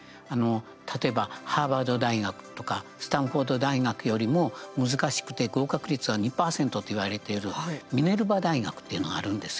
例えばハーバード大学とかスタンフォード大学よりも難しくて、合格率は２％と言われているミネルバ大学というのがあるんですよ。